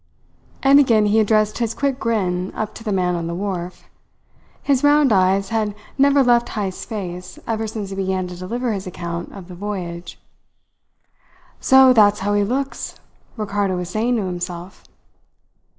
And again he addressed his quick grin up to the man on the wharf. His round eyes had never left Heyst's face ever since he began to deliver his account of the voyage. "So that's how he looks!" Ricardo was saying to himself.